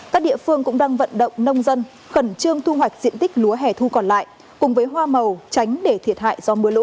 các địa phương cũng đang vận động nông dân khẩn trương thu hoạch diện tích lúa hẻ thu còn lại cùng với hoa màu tránh để thiệt hại do mưa lũ